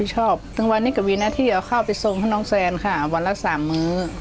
จนวันนี้กับวินาที่เอาข้าวไปทรงพี่น้องแซนค่ะวันละ๓มื้อ